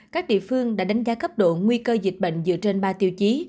các địa phương đã đánh giá cấp độ nguy cơ dịch bệnh dựa trên ba tiêu chí